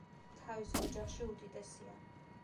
თავის ოჯახში უდიდესია.